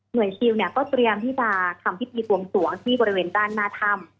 ซิลเนี่ยก็เตรียมที่จะทำพิธีบวงสวงที่บริเวณด้านหน้าถ้ำ